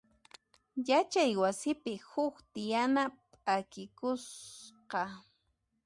Yachay wasipi huk tiyana p'akikusqa.